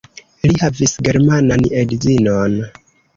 Li havis germanan edzinon.